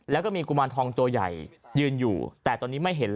แล้วก็มีกุมารทองตัวใหญ่ยืนอยู่แต่ตอนนี้ไม่เห็นเลย